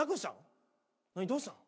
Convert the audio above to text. どうしたん？